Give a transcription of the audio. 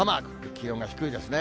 気温が低いですね。